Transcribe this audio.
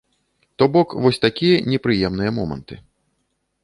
То бок вось такія непрыемныя моманты.